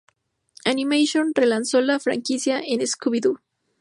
Animation relanzó la franquicia en "Scooby-Doo!